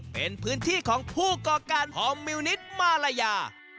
เป็นพื้นที่ของผู้ก่อการหอมมิวนิตมาลายา